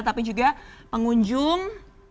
tapi juga pengunjung